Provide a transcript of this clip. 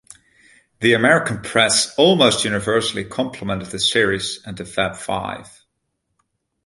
The American press almost universally complimented the series and the Fab Five.